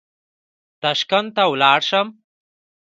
تاشکند ته ولاړ شم.